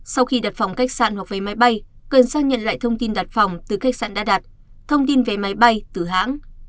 sau khi đặt phòng khách sạn hoặc vé máy bay cần xác nhận lại thông tin đặt phòng từ khách sạn đã đặt thông tin về máy bay từ hãng